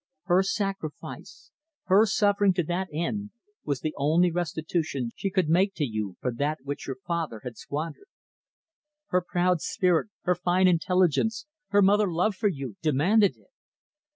Her sacrifice, her suffering to that end, was the only restitution she could make to you for that which your father had squandered. Her proud spirit, her fine intelligence, her mother love for you, demanded it."